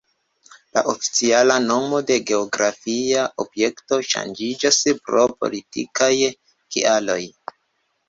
La oficiala nomo de geografia objekto ŝanĝiĝas pro politikaj kialoj.